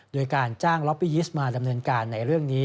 โดยการจ้างล็อปปี้ยิสต์มาดำเนินการในเรื่องนี้